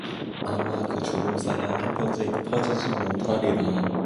아마 그 주름살만은 한평생 펴지지 못 하리라.